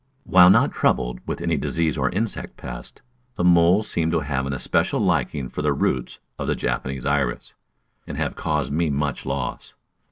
While not troubled with any disease or insect pest, the moles seem to have an especial liking for the roots of the Japanese Iris, and have caused me much loss.